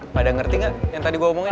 pada ngerti nggak yang tadi gue omongin